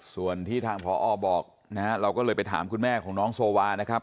ส่วนที่ทางพอบอกนะฮะเราก็เลยไปถามคุณแม่ของน้องโซวานะครับ